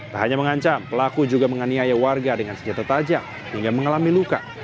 tak hanya mengancam pelaku juga menganiaya warga dengan senjata tajam hingga mengalami luka